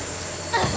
あっ！